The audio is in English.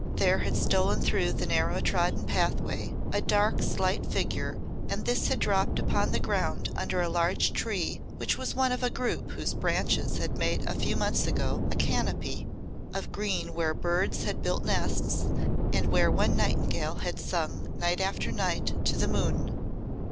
There had stolen through the narrow trodden pathway a dark slight figure and this had dropped upon the ground under a large tree which was one of a group whose branches had made a few months ago a canopy of green where birds had built nests and where one nightingale had sung night after night to the moon.